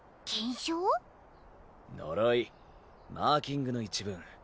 呪いマーキングの一文。